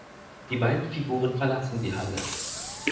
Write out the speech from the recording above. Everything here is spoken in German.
Die beiden Figuren verlassen die Halle.